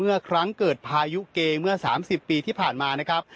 เมื่อครั้งเกิดพายุเกเมื่อ๓๐ปีที่ผ่านมานะครับ